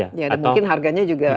ya dan mungkin harganya juga